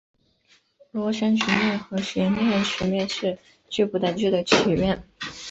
螺旋曲面和悬链曲面是局部等距的曲面。